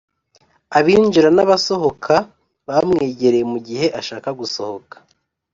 abinjira n abasohohoka bamwegereye mu gihe ashaka gusohoka